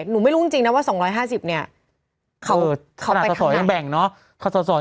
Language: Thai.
หนูไม่รู้จริงนะว่า๒๕๐เนี่ยเขาไปข้างหน้า